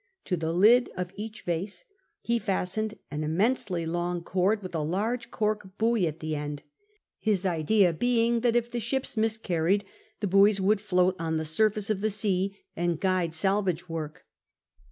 To the lid of each vase he fastened an immensely long cord, with a large cork buoy at the end, his idea being that if the ships miscarried the buoys would float on the surface of the sea, and guide salvage work.